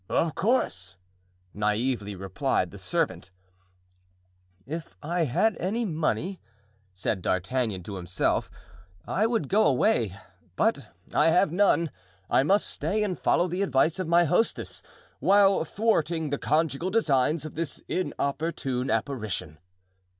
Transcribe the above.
"Of course," naively replied the servant. "If I had any money," said D'Artagnan to himself, "I would go away; but I have none. I must stay and follow the advice of my hostess, while thwarting the conjugal designs of this inopportune apparition."